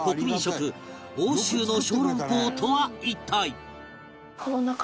欧州の小籠包とは一体？